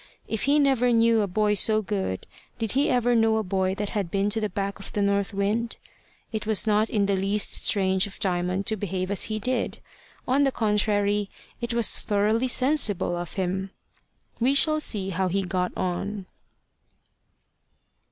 If he never knew a boy so good, did he ever know a boy that had been to the back of the north wind? It was not in the least strange of Diamond to behave as he did; on the contrary, it was thoroughly sensible of him. We shall see how he got on.